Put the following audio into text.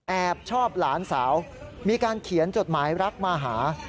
แอบชอบหลานสาวมีการเขียนจดหมายรักมาหา